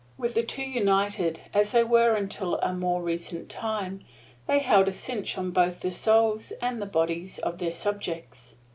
With the two united, as they were until a more recent time, they held a cinch on both the souls and the bodies of their subjects.